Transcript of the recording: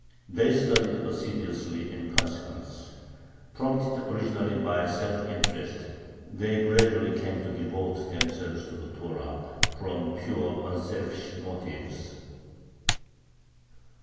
They studied assiduously in consequence. Prompted originally by self interest, they gradually came to devote themselves to the Torah from pure, unselfish motives.